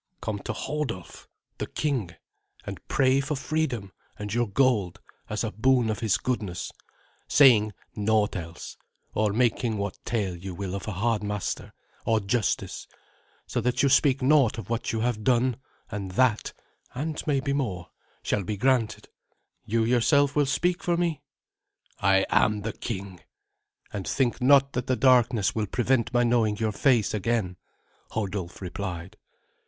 "Come to Hodulf, the king, and pray for freedom and your gold as a boon of his goodness, saying naught else, or making what tale you will of a hard master, or justice, so that you speak naught of what you have done, and that and maybe more shall be granted." "You yourself will speak for me?" "I am the king and think not that the darkness will prevent my knowing your face again," Hodulf replied.